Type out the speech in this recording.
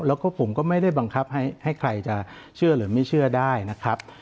แล้วก็ผมก็ไม่ได้บังคับให้ใครจะเชื่อหรือไม่เชื่อได้นะครับ